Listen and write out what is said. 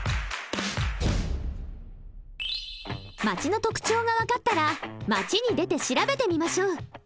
街の特徴が分かったら街に出て調べてみましょう。